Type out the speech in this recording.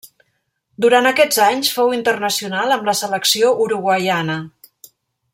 Durant aquests anys fou internacional amb la selecció uruguaiana.